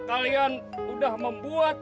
kalian udah membuat